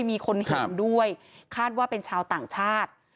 มีคนเห็นด้วยคาดว่าเป็นชาวต่างชาติ